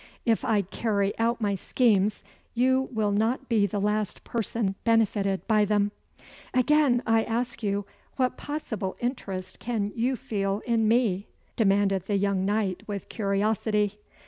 If I carry out my schemes, you will not be the last person benefited by them." "Again, I ask you, what possible interest you can feel in me?" demanded the young knight with curiosity.